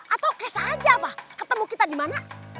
atau cash aja apa ketemu kita dimana